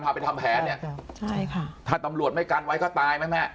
ที่รับทางแผนท่าตำรวจไม่กันไว้ก็ตายไหมแม่